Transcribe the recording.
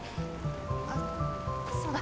あっそうだ。